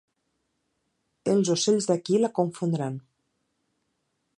Els ocells d'aquí la confondran.